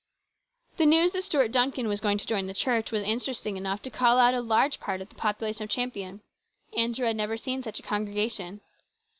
The news that Stuart Duncan was going to join the church was interesting enough to call out a large part of the population of Champion. Andrew had never seen such a congregation.